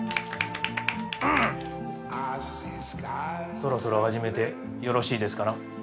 そろそろ始めてよろしいですかな？